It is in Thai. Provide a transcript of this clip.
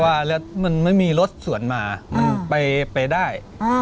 ว่าแล้วมันไม่มีรถสวนมามันไปได้